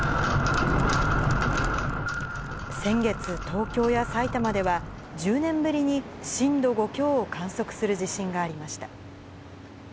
先月、東京や埼玉では、１０年ぶりに震度５強を観測する地震がありました。